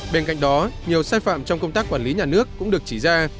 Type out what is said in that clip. bên cạnh đó nhiều sai phạm trong công tác quản lý nhà nước cũng được chỉ ra